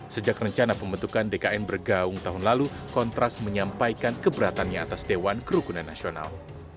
sejak rencana pembentukan dkn bergaung tahun lalu kontras menyampaikan keberatannya atas dewan kerukunan nasional